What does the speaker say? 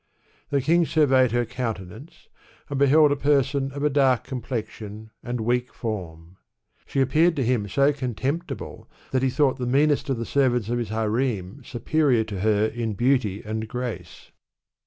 The king surveyed her countenance, and beheld a person of a dark complexion and weak form. She appeared to him so contemptible that he thought the meanest of the servants of his harem superior to her in beauty and grace.